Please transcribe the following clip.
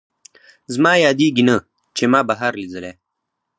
زما یادېږي نه، چې ما بهار لیدلی